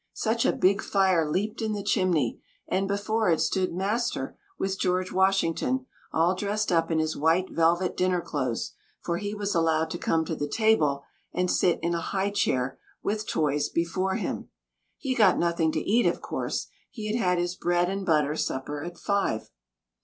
Such a big fire leaped in the chimney, and before it stood master with George Washington all dressed up in his white velvet dinner clothes, for he was allowed to come to the table and sit in a high chair with toys before him. He got nothing to eat, of course. He had had his bread and butter supper at five.